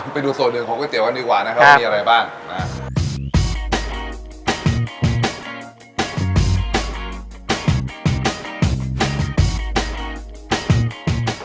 ไปดูโซนเดือนของก๋วยเตี๋ยวกันดีกว่าวันนี้อะไรบ้าง